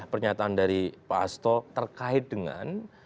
pernyataan dari pak asto terkait dengan